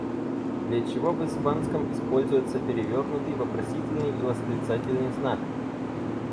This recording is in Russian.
Для чего в испанском используется перевёрнутый вопросительный и восклицательный знак?